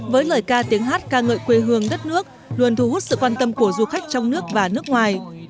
những tiếng hát ca ngợi quê hương đất nước luôn thu hút sự quan tâm của du khách trong nước và nước ngoài